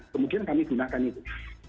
kemudian kami gunakan itu